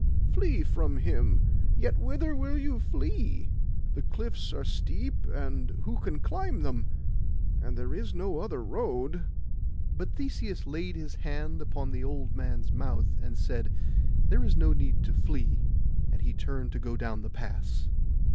Flee from him: yet whither will you flee? The cliffs are steep, and who can climb them? and there is no other road.' But Theseus laid his hand upon the old man's month, and said, 'There is no need to flee;' and he turned to go down the pass.